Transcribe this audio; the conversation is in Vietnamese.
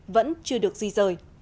vẫn chưa được di rời